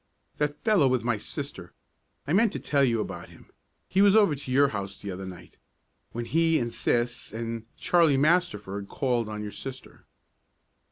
"That fellow with my sister I meant to tell you about him. He was over to your house the other night, when he and sis, and Charlie Masterford called on your sister."